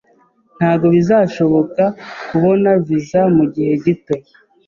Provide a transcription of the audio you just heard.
Ntabwo bizashoboka kubona visa mugihe gito